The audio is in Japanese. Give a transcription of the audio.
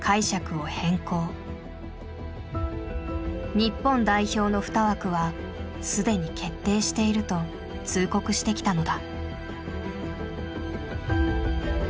日本代表の２枠は既に決定していると通告してきたのだ。